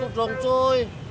jangan gitu dong cuy